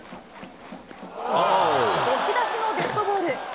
押し出しのデッドボール。